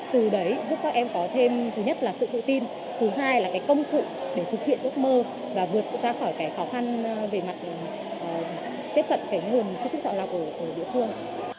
từ đấy giúp các em có thêm thứ nhất là sự tự tin thứ hai là cái công cụ để thực hiện ước mơ và vượt ra khỏi cái khó khăn về mặt tiếp cận cái nguồn cho thức chọn lọc ở địa phương